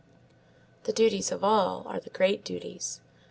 The duties of all are the great duties.